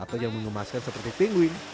atau yang mengemaskan seperti pinguine